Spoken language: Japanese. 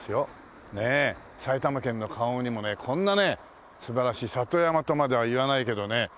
埼玉県の川越にもねこんなね素晴らしい里山とまではいわないけどね。